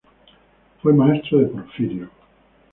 Fue maestro de Porfirio.